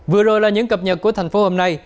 vừa rồi là những cập nhật của thành phố hôm nay